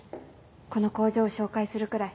この工場を紹介するくらい。